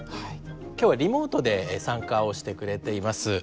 今日はリモートで参加をしてくれています。